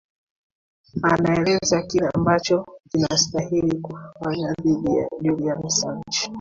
anaeleza kile ambacho kinastahili kufanywa dhidi ya julian sanch